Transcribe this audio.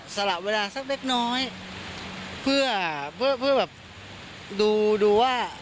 สละเวลาสักเล็กน้อยเพื่อเพื่อแบบดูดูว่า